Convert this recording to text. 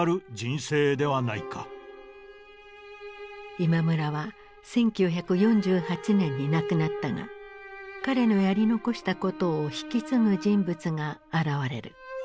今村は１９４８年に亡くなったが彼のやり残したことを引き継ぐ人物が現れる。